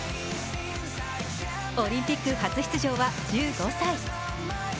オリンピック初出場は１５歳。